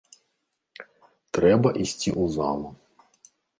Трэба ісці ў залу.